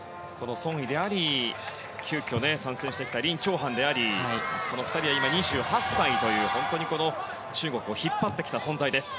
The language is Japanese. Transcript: ソン・イであり急きょ参戦してきたリン・チョウハンでありこの２人は、今２８歳という中国を引っ張ってきた存在です。